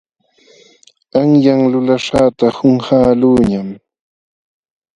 Qanyan lulaśhqata qunqaqluuñam.